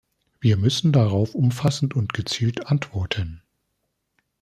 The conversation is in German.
Wir müssend darauf umfassend und gezielt antworten.